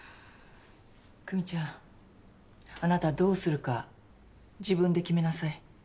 久実ちゃんあなたどうするか自分で決めなさい。